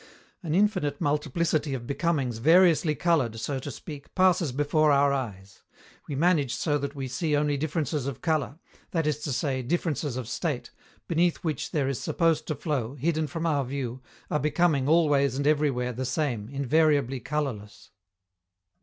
An infinite multiplicity of becomings variously colored, so to speak, passes before our eyes: we manage so that we see only differences of color, that is to say, differences of state, beneath which there is supposed to flow, hidden from our view, a becoming always and everywhere the same, invariably colorless.